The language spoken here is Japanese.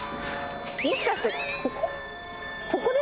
もしかしてここ？